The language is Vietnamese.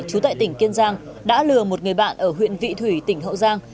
chú tại tỉnh kiên giang đã lừa một người bạn ở huyện vị thủy tỉnh hậu giang